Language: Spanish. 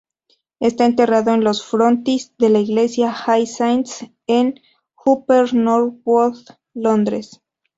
Está enterrado en el frontis de la iglesia All Saints en Upper Norwood, Londres.